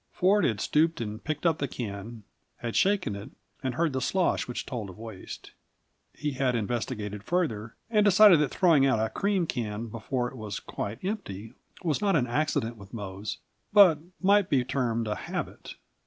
Ford had stooped and picked up the can, had shaken it, and heard the slosh which told of waste. He had investigated further, and decided that throwing out a cream can before it was quite empty was not an accident with Mose, but might be termed a habit.